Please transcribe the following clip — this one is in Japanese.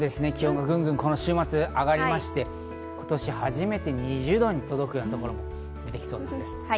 気温もぐんぐんこの週末、上がりまして、今年初めて２０度に届くようなところも出てきそうです。